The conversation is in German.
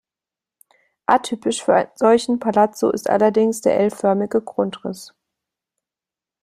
Atypisch für einen solchen Palazzo ist allerdings der L-förmige Grundriss.